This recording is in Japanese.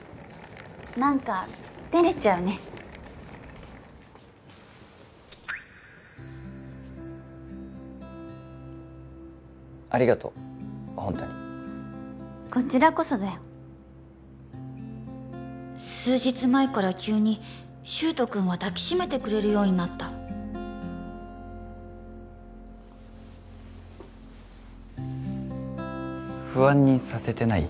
何か照れちゃうねありがとうホントにこちらこそだよ数日前から急に柊人君は抱きしめてくれるようになった不安にさせてない？